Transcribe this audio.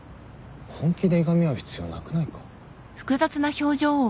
本気でいがみ合う必要なくないか？